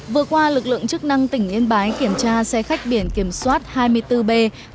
vừa qua lực lượng chức năng tỉnh yên bái kiểm tra xe khách biển kiểm soát hai mươi bốn b chín trăm hai mươi chín